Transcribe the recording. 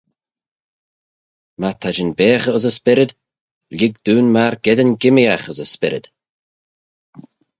My ta shin baghey ayns y spyrryd, lhig dooin myrgeddin gimmeeaght ayns y spyrryd.